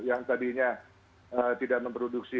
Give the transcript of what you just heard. yang tadinya tidak memproduksi